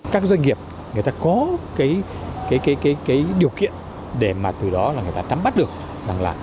các doanh nghiệp người ta có cái điều kiện để mà từ đó là người ta nắm bắt được rằng là